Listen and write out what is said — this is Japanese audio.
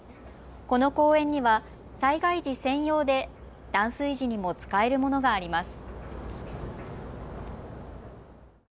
この公園には災害時専用で断水時にも使えるものがあります。